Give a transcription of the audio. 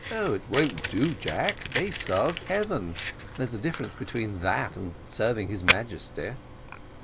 "It won't do, Jack they serve Heaven there's a difference between that and serving his Majesty."